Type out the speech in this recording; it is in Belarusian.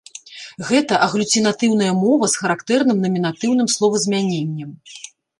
Гэта аглюцінатыўная мова з характэрным намінатыўным словазмяненнем.